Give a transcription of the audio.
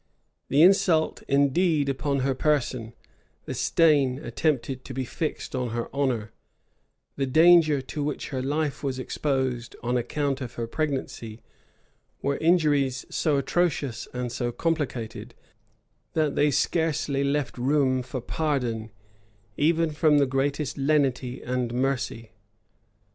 The insult, indeed, upon her person; the stain attempted to be fixed on her honor; the danger to which her life was exposed, on account of her pregnancy; were injuries so atrocious and so complicated, that they scarcely left room for pardon, even from the greatest lenity and mercy.